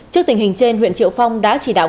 trước tình hình trên huyện triệu phong đã chỉ đạo